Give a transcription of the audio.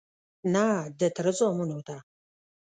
_نه، د تره زامنو ته..